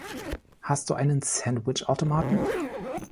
Du hast du einen Sandwich-Automaten?